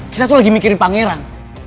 kita tuh lagi mikirin pangeran